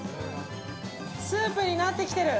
スープになってきている！